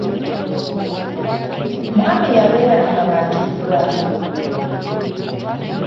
Mwami yabeeranga Matugga.